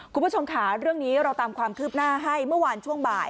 คุณผู้ชมค่ะเรื่องนี้เราตามความคืบหน้าให้เมื่อวานช่วงบ่าย